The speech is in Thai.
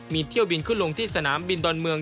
มีเที่ยวบินขึ้นลงที่สนามบินดอนเมือง